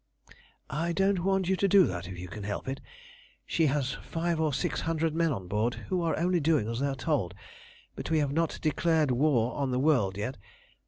"I don't want you to do that if you can help it. She has five or six hundred men on board, who are only doing as they are told, and we have not declared war on the world yet.